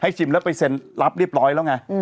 ชิมแล้วไปเซ็นรับเรียบร้อยแล้วไง